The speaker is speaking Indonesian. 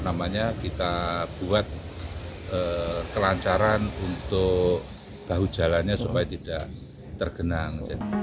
namanya kita buat kelancaran untuk bahu jalannya supaya tidak tergenang